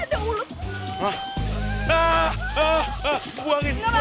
ada yang buangin diam diam